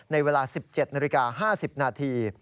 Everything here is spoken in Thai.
ในเวลา๑๗น๕๐นาที